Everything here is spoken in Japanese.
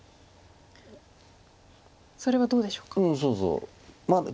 それはどうでしょうか？